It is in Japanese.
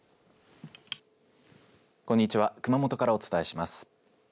こんにちは、熊本からお伝えします。